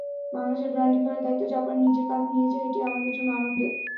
বাংলাদেশের ব্র্যান্ডিং করার দায়িত্ব জাপান নিজের কাঁধে নিয়েছে, এটি আমাদের জন্য আনন্দের।